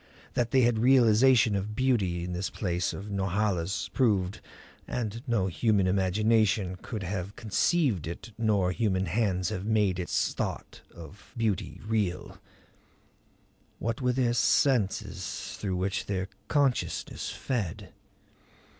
That they had realization of beauty this palace of Norhala's proved and no human imagination could have conceived it nor human hands have made its thought of beauty real. What were their senses through which their consciousness fed?